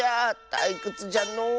たいくつじゃのう。